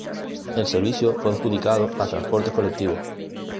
El servicio fue adjudicado a Transportes Colectivos.